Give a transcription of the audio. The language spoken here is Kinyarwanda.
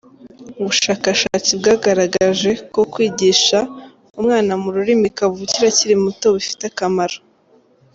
Ubushakashatsi bwagaragaje ko kwigisha umwana mu rurimi kavukire akiri muto bifite akamaro.